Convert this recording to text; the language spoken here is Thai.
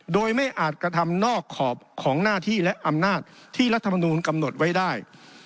โดยไม่อาจกระทำนอกขอบของหน้าที่และอำนาจที่รัฐมนูลกำหนดไว้ได้